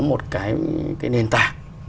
một cái nền tảng